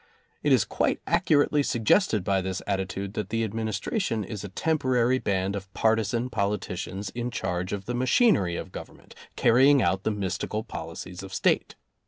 It is quite accurately suggested by this attitude that the Administration is a temporary band of partisan politicians in charge of the machinery of Government, carrying out the mystical policies of State.